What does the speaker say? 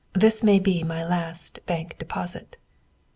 "THIS MAY BE MY LAST BANK DEPOSIT."